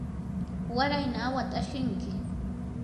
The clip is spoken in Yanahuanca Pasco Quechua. warayna awhata ashinki.